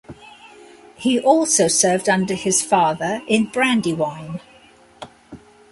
He also served under his father in "Brandywine".